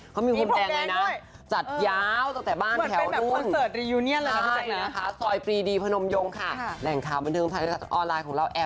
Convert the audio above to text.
เขามีพรมแดงด้วยนะ